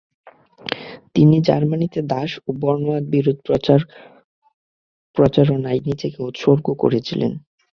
তিনি জার্মানীতে দাস ও বর্ণবাদ বিরোধী প্রচার- প্রচারণায় নিজেকে উৎসর্গ করেছিলেন।